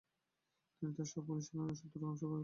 তিনি তার সব পুলিশী তদন্তের সূত্র ধ্বংস করে ফেলেন।